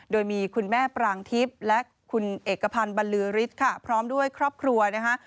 โดยมีคุณแม่ปรางทิพย์และคุณเอกพันธ์บรรลือฤทธิ์ค่ะพร้อมด้วยครอบครัวนะคะ